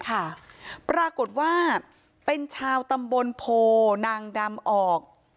ปรากฏว่าเป็นชาวตำบลโพนางดำออก